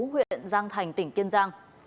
huyện giang thành tỉnh kiên giang